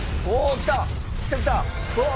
来た来た！